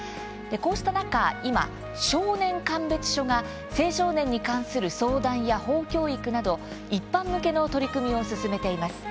こうした中、今、少年鑑別所が青少年に関する相談や法教育など一般向けの取り組みを進めています。